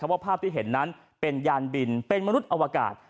ว่าภาพที่เห็นนั้นเป็นยานบินเป็นมนุษย์อวกาศ